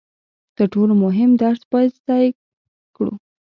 تر ټولو مهم درس باید زده یې کړو.